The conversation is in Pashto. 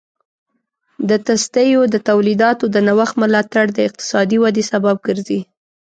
د تصدیو د تولیداتو د نوښت ملاتړ د اقتصادي ودې سبب ګرځي.